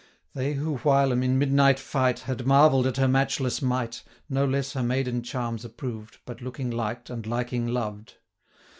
They who whilom, in midnight fight, 75 Had marvell'd at her matchless might, No less her maiden charms approved, But looking liked, and liking loved.